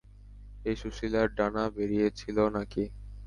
এই সুশীলার ডানা বেরিয়েছিল নাকি?